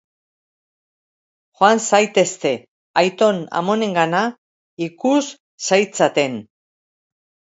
Joan zaitezte aiton-amonengana, ikus zaitzaten.